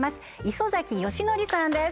磯崎功典さんです